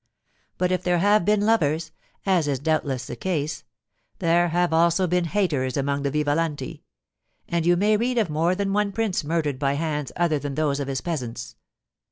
But if there have been lovers, as is doubtless the case, there have also been haters among the Vivalanti, and you may read of more than one prince murdered by hands other than those of his peasants.